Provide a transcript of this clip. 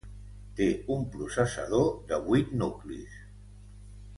Té un processador de vuit nuclis.